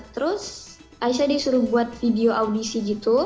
terus aisyah disuruh buat video audisi gitu